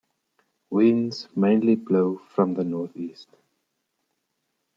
Winds mainly blow from the northeast.